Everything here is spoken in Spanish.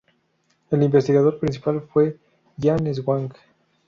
El investigador principal fue Jean Swank.